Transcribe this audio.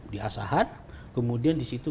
di asahan kemudian disitu